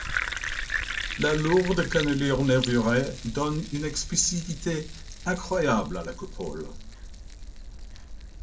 La lourde cannelure nervurée donne une expressivité incroyable à la coupole.